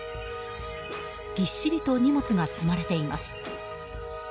ぎっしりと荷物が積まれています。